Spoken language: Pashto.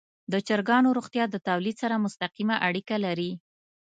د چرګانو روغتیا د تولید سره مستقیمه اړیکه لري.